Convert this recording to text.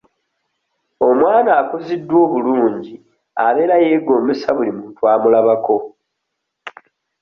Omwana akuziddwa obulungi abeera yeegombebwa buli muntu amulabako.